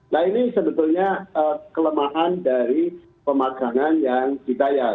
nah ini sebetulnya kelemahan dari pemagangan yang dibayar